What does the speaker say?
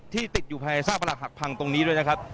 ติดอยู่ภายซากประหลักหักพังตรงนี้ด้วยนะครับ